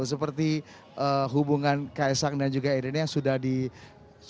seperti hubungan ks ang dan juga irene yang sudah disucikan